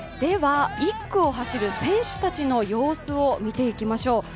１区を走る選手たちの様子を見ていきましょう。